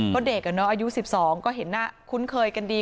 ก็เด็กอายุ๑๒ก็เห็นหน้าคุ้นเคยกันดี